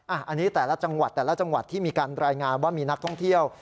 อันนี้แต่ละจังหวัดแต่ละจังหวัดที่มีการรายงานว่ามีนักท่องเที่ยว